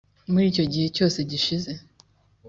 muri icyo gihe cyose gishize